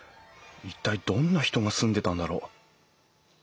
一体どんな人が住んでたんだろう？